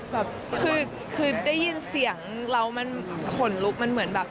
แบบคือได้ยินเสียงแล้วมันขนลุกมันเหมือนแบบ